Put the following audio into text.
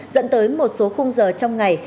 dẫn tới một số khung giờ trong ngày